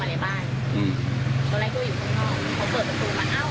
อันนี้ว่าพี่เฮยเขาวิ่งเข้ามา